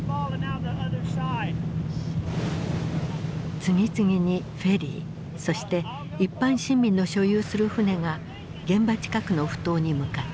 次々にフェリーそして一般市民の所有する船が現場近くの埠頭に向かった。